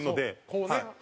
こうね。